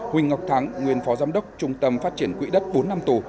huỳnh ngọc thắng nguyên phó giám đốc trung tâm phát triển quỹ đất bốn năm tù